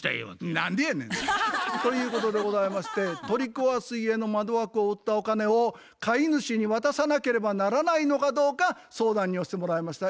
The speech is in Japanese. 何でやねん！ということでございまして取り壊す家の窓枠を売ったお金を買主に渡さなければならないのかどうか相談に寄してもらいました。